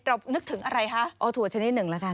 เรานึกถึงอะไรคะ